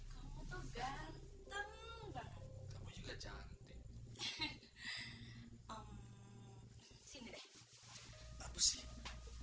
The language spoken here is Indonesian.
kamu tuh ganteng banget